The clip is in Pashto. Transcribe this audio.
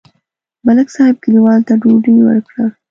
ملک صاحب کلیوالو ته ډوډۍ وکړه.